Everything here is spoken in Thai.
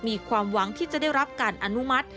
มีความหวังที่จะได้รับการอนุมัติ